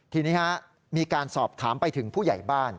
ทีนี้มีการสอบถามไปถึงผู้ใหญ่บ้าน